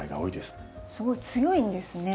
すごい強いんですね。